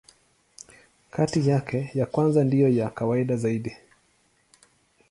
Kati yake, ya kwanza ndiyo ya kawaida zaidi.